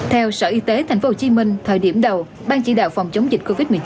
theo sở y tế tp hcm thời điểm đầu ban chỉ đạo phòng chống dịch covid một mươi chín